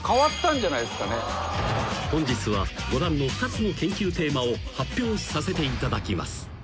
［本日はご覧の２つの研究テーマを発表させていただきます］